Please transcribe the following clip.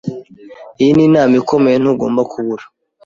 Iyi ni inama ikomeye. Ntugomba kubura.